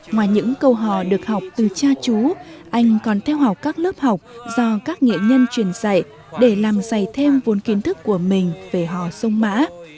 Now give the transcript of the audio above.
ngoài những câu hò được học từ cha chú anh còn theo học các lớp học do các nghệ nhân truyền dạy để làm dày thêm vốn kiến thức của mình về hò sông mã